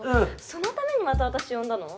そのためにまた私呼んだの！？